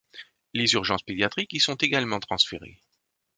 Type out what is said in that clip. Les urgences pédiatriques y sont également transférées.